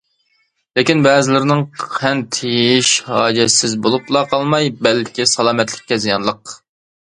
لېكىن بەزىلىرىنىڭ قەنت يېيىشى ھاجەتسىز بولۇپلا قالماي، بەلكى سالامەتلىككە زىيانلىق.